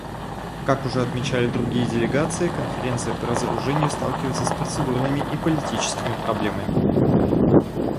Как уже отмечали другие делегации, Конференция по разоружению сталкивается с процедурными и политическими проблемами.